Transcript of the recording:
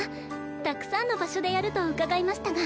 たくさんの場所でやると伺いましたが。